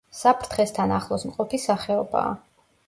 საფრთხესთან ახლოს მყოფი სახეობაა.